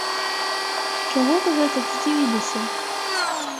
Чаго вы гэтак здзівіліся?